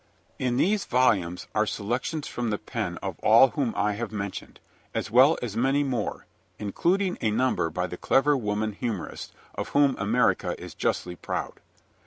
In these volumes are selections from the pen of all whom I have mentioned, as well as many more, including a number by the clever women humorists, of whom America is justly proud.